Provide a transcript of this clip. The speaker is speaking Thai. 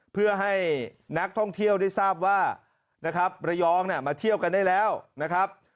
เพื่อให้นักท่องเที่ยวได้ทราบว่านะครับระยองมาเที่ยวกันได้แล้วนะครับ